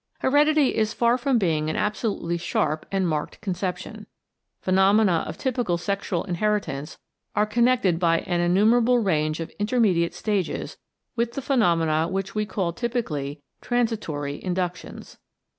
Heredity is far from being an absolutely sharp and marked conception. Phenomena of typical sexual inheritance are connected by an innumer able range of intermediate stages with the pheno mena which we call typically transitory induc tions.